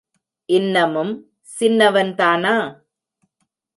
இன்னமும் சின்னவன் தானா?